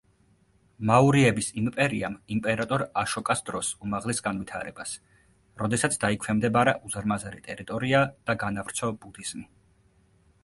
მაურიების იმპერიამ იმპერატორ აშოკას დროს უმაღლეს განვითარებას, როდესაც დაიქვემდებარა უზარმაზარი ტერიტორია და განავრცო ბუდიზმი.